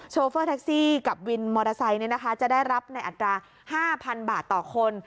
โฟเฟอร์แท็กซี่กับวินมอเตอร์ไซค์จะได้รับในอัตรา๕๐๐บาทต่อคน